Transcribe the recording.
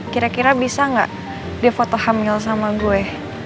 kira kira bisa gak dia foto hamil sama gue